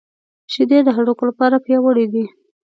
شیدې د هډوکو لپاره پياوړې دي